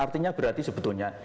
artinya berarti sebetulnya